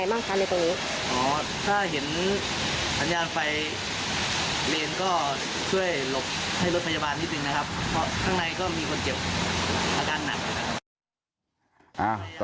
เพราะข้างในก็มีคนเจ็บอาการหนัก